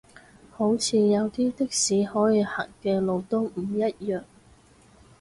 好似有啲的士可以行嘅路都唔一樣